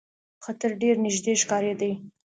خطر ډېر نیژدې ښکارېدی.